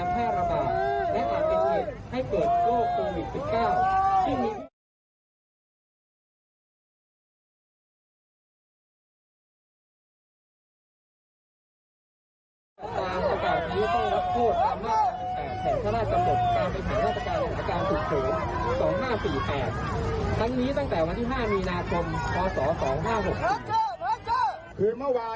แต่ถามว่ากลุ่มของมาดามเดียจะโดนเรื่องของผิดภัลบอล